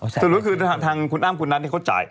สรุปก็คือทางคุณอ้ำคุณนัทเขาจ่าย